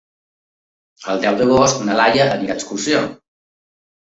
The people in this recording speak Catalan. El deu d'agost na Laia anirà d'excursió.